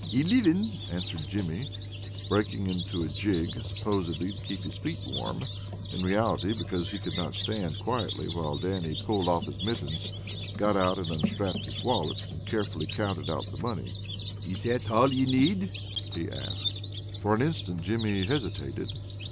"Elivin," answered Jimmy, breaking into a jig, supposedly to keep his feet warm, in reality because he could not stand quietly while Dannie pulled off his mittens, got out and unstrapped his wallet, and carefully counted out the money. "Is that all ye need?" he asked. For an instant Jimmy hesitated.